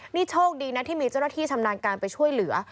นี่โชคดีนะที่มีเจ้าหน้าที่ชำนาญการไปช่วยเหลือ